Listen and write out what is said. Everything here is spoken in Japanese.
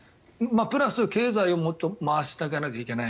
プラス、経済をもっと回してあげないといけない。